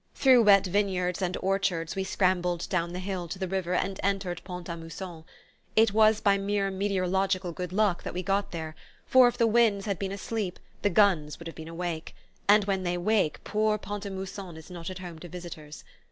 Through wet vineyards and orchards we scrambled down the hill to the river and entered Pont a Mousson. It was by mere meteorological good luck that we got there, for if the winds had been asleep the guns would have been awake, and when they wake poor Pont a Mousson is not at home to visitors.